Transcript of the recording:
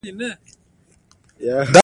ودرېدل ښه دی.